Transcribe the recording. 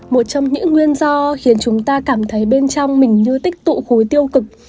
một trong những nguyên do khiến chúng ta cảm thấy bên trong mình như tích tụ khối tiêu cực